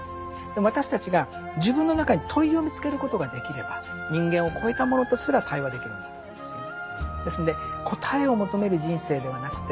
でも私たちが自分の中に「問い」を見つけることができれば人間を超えたものとすら対話できるんだと思うんですよね。